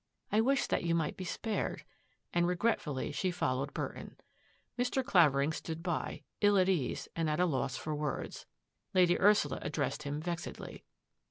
" I wish that you might be spared," and regretfully she followed Burton. Mr. Clavering stood by, ill at ease and at a loss for words. Lady Ursula addressed him vexedly.